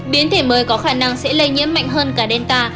biến thể mới có khả năng sẽ lây nhiễm mạnh hơn cả delta